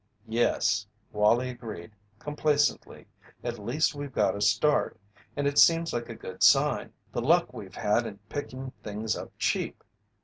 "Yes," Wallie agreed, complacently, "at least we've got a start. And it seems like a good sign, the luck we've had in picking things up cheap."